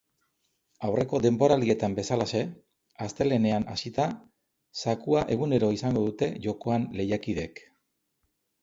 Aurreko denboraldietan bezalaxe, astelehenean hasita, zakua egunero izango dute jokoan lehiakideek.